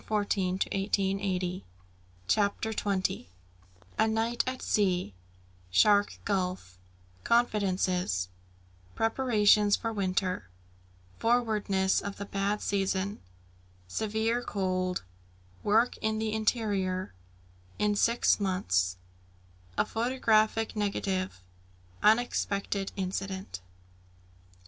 [Illustration: ANOTHER MYSTERY] CHAPTER XX A Night at Sea Shark Gulf Confidences Preparations for Winter Forwardness of the bad Season Severe Cold Work in the Interior In six Months A photographic Negative Unexpected Incident.